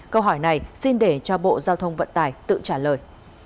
câu hỏi này xin để cho bộ giao thông vận tải tự trả lời